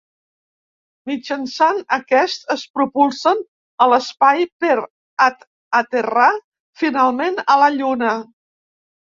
Mitjançant aquest es propulsen a l'espai per a aterrar finalment a la Lluna.